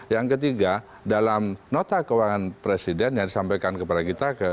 yang ketiga dalam nota keuangan presiden yang disampaikan kepada kita